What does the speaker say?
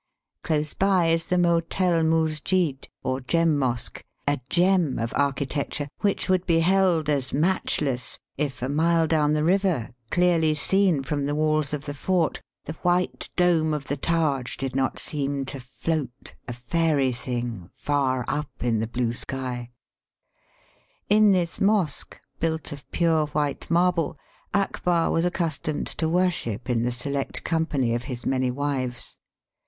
Close by is the Motel Musjid, or Gem Mosque, a gem of architecture which would be held as matchless if a mile down the river, clearly seen from the walls of the fort, the white dome of the Taj did not seem to float, a fairy thing far up in the blue sky* In this mosque, built of pure white marble, Akbar was accustomed to worship in the select company of his many wives.